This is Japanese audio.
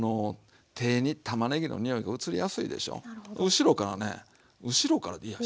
後ろからね後ろからでいいや。